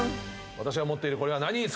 私が持っているこれは。